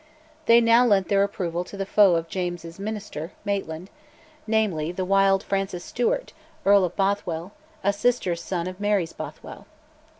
They now lent their approval to the foe of James's minister, Maitland, namely, the wild Francis Stewart, Earl of Bothwell, a sister's son of Mary's Bothwell.